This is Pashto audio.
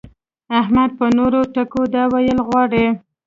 احمد په نورو ټکو دا ويل غواړي.